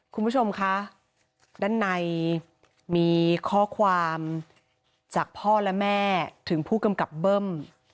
คุณผู้ชมคะด้านในมีข้อความจากพ่อและแม่ถึงผู้กำกับเบิ้ม